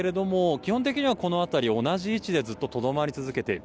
基本的にはこの辺り、同じ位置でずっと、とどまり続けている。